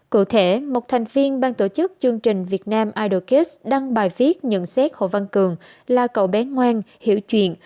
cụ thể một thành viên ban tổ chức chương trình việt nam idogas đăng bài viết nhận xét hồ văn cường là cậu bé ngoan hiểu chuyện